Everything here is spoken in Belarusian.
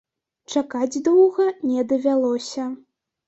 Чакаць доўга не давялося.